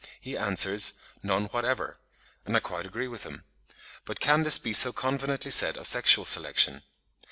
He answers "none whatever"; and I quite agree with him. But can this be so confidently said of sexual selection?